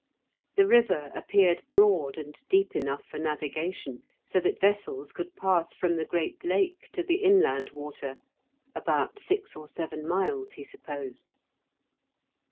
The river appeared broad and deep enough for navigation, so that vessels could pass from the great Lake to the inland water; about six or seven miles, he supposed.